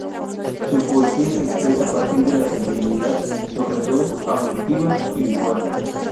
Su poesía se expresa a partir de la sensibilidad, sobre todo auditiva y visual.